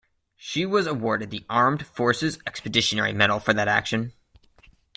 She was awarded the Armed Forces Expeditionary Medal for that action.